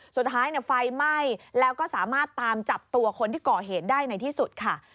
สุดท้ายไฟไหม้แล้วก็สามารถตามจับตัวคนที่ก่อเหตุได้ในที่สุดค่ะ